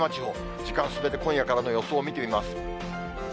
時間進めて、今夜からの予報を見てみます。